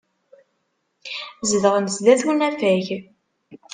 Zedɣen sdat unafag.